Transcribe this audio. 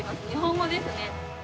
日本語ですね。